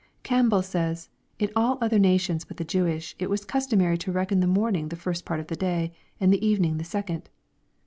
Campbell says, " In all other nations but the Jewish, it was cus tomary to reckon the morning the first part of the day, and the evening the second.